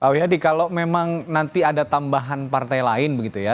pak wiyadi kalau memang nanti ada tambahan partai lain begitu ya